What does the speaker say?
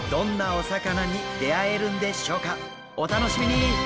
お楽しみに！